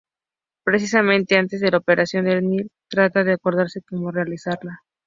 Precisamente antes de la operación, el Dr. Nick trata de acordarse como realizarla.